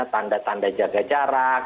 tanda tanda jaga jarak